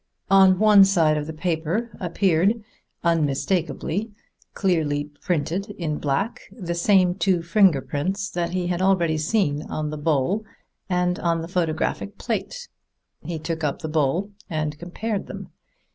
On one side of the paper appeared unmistakably, clearly printed in black, the same two finger prints that he had already seen on the bowl and on the photographic plate. He took up the bowl and compared them.